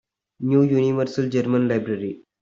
New Universal German Library.